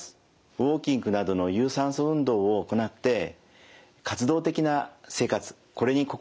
ウォーキングなどの有酸素運動を行って活動的な生活これに心掛けてください。